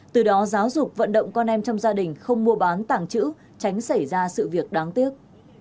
từ đó giáo dục vận động con em trong gia đình không mua bán tàng trữ tránh xảy ra sự việc đáng tiếc